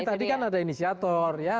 tadi kan ada inisiator ya